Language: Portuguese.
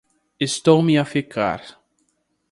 Estou-me a ficar.